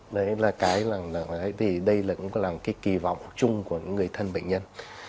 đấy là cái là thì đây là cũng là cái kỳ vọng chung của người thân bệnh nhân